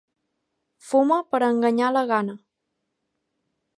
Fuma per enganyar la gana.